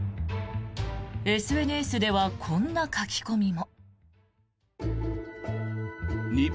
ＳＮＳではこんな書き込みも。